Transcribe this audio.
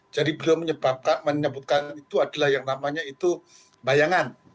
jadi belum menyebutkan itu adalah yang namanya itu bayangan